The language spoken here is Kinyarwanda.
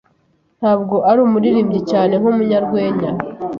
Ntabwo ari umuririmbyi cyane nkumunyarwenya.